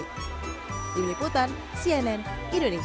jika kamu ingin menemani kucing yang berbeda silahkan mencari kucing yang berbeda